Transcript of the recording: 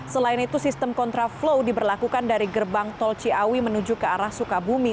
selain itu sistem kontraflow diberlakukan dari gerbang tol ciawi menuju ke arah sukabumi